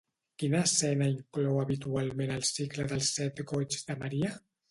Quina escena inclou habitualment el cicle dels set Goigs de Maria?